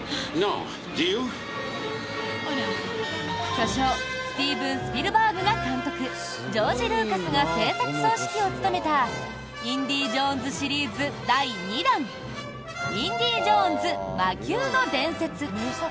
巨匠、スティーブン・スピルバーグが監督ジョージ・ルーカスが製作総指揮を務めた「インディ・ジョーンズ」シリーズ第２弾「インディ・ジョーンズ魔宮の伝説」。